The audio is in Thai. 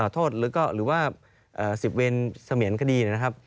โทษหรือว่าสิบเวรเสมียนคดี